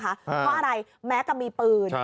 เพราะอะไรแม็กซ์ก็มีปืน